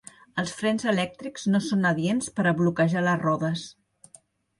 Els frens elèctrics no són adients per a bloquejar les rodes.